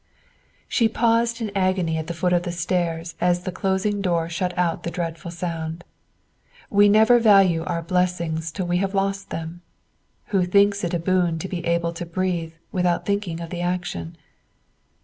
She paused in agony at the foot of the stairs as the closing door shut out the dreadful sound. We never value our blessings till we have lost them; who thinks it a boon to be able to breathe without thinking of the action?